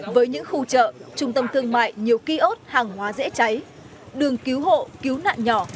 với những khu chợ trung tâm thương mại nhiều ký ốt hàng hóa dễ cháy đường cứu hộ cứu nạn nhỏ